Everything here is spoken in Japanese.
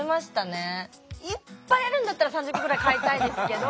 いっぱいあるんだったら３０個ぐらい買いたいですけど。